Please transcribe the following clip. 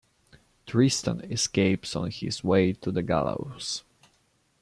Tristan escapes on his way to the gallows.